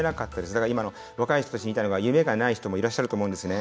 だから今の若い人たちに言いたいのが、夢がない人もいらっしゃると思うんですね。